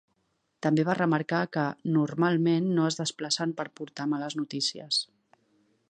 També va remarcar que ‘normalment no es desplacen per portar males notícies’.